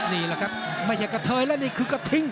นี่แหละครับไม่ใช่กระเทยแล้วนี่คือกระทิง